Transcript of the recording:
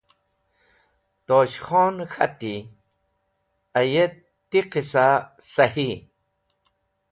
Tosh Khon k̃hati: A yet ti qisa sahi.